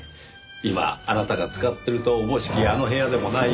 今あなたが使ってるとおぼしきあの部屋でもないようですねぇ。